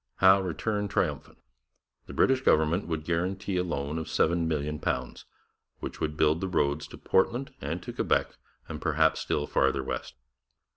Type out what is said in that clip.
Howe returned triumphant. The British government would guarantee a loan of £7,000,000, which would build the roads to Portland and to Quebec and perhaps still farther west.